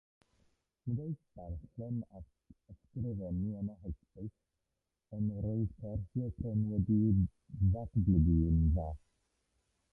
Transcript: Nid oedd darllen ac ysgrifennu yn hysbys, ond roedd cerfio pren wedi'i ddatblygu'n dda.